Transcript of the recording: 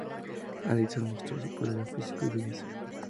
Alison mostró poderío físico y belleza.